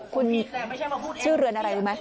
คุณชื่อเรือนอะไรดูมั้ย